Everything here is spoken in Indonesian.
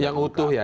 yang utuh ya